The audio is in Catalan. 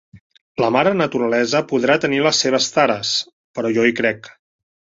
La mare Naturalesa podrà tenir les seves tares, però jo hi crec